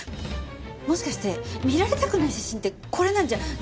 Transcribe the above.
もしかして見られたくない写真ってこれなんじゃ？